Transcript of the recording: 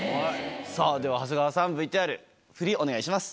さぁでは長谷川さんＶＴＲふりお願いします。